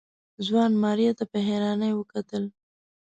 ځوان ماريا ته په حيرانۍ وکتل.